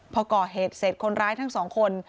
พอก่อเหตุเสร็จคนร้ายทั้งสองคน